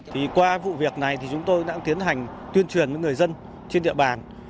thì qua vụ việc này thì chúng tôi đã tiến hành tuyên truyền với người dân trên địa bàn